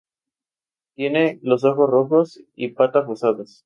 Tienen ojos rojos y patas rosadas.